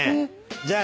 じゃあ。